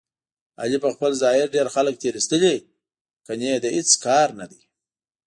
علي په خپل ظاهر ډېر خلک تېر ایستلي، ګني د هېڅ کار نه دی.